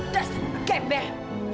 dasar anak gembel